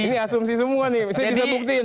ini asumsi semua nih saya bisa buktiin